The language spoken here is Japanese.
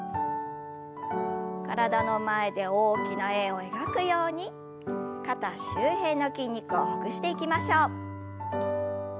体の前で大きな円を描くように肩周辺の筋肉をほぐしていきましょう。